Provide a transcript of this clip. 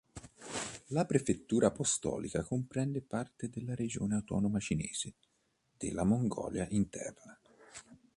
La prefettura apostolica comprende parte della regione autonoma cinese della Mongolia Interna.